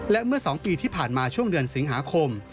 และเมื่อ๒ปีที่ผ่านมาช่วงเดือนสิงหาคม